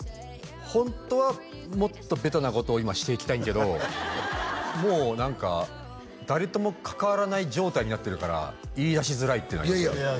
ホントはもっとベタなことを今していきたいけどもう何か誰とも関わらない状態になってるから言いだしづらいっていうのいやいや